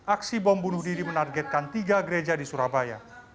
aksi bom bunuh diri menargetkan tiga gereja di surabaya